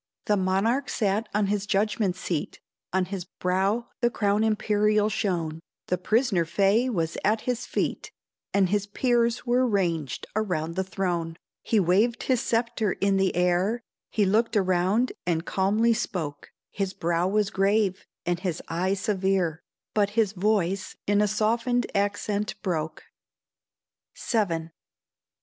The monarch sat on his judgment seat, On his brow the crown imperial shone, The prisoner Fay was at his feet, And his peers were ranged around the throne. He waved his sceptre in the air, He looked around and calmly spoke; His brow was grave and his eye severe, But his voice in a softened accent broke: VII.